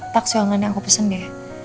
taksoangan yang aku pesen deh